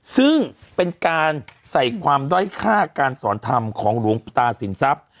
ซึ่งเป็นการใส่ความด้อยค่าการสอนธรรมของหลวงตาสินทรัพย์